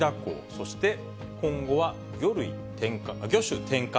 そして、今後は魚種転換。